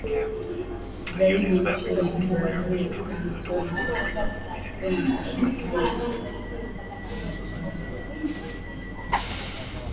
zaidi nchini Brazil Antonio Sena alijua anachokogiopa